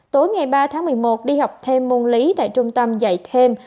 tối ngày ba tháng một mươi một đi học thêm môn lý tại trung tâm dạy thêm